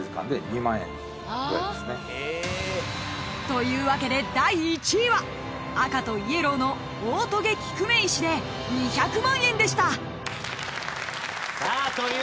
［というわけで第１位は赤とイエローのオオトゲキクメイシで２００万円でした］ということでございまして。